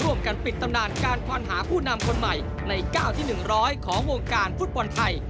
ปิดตำนานการควานหาผู้นำคนใหม่ใน๙ที่๑๐๐ของวงการฟุตบอลไทย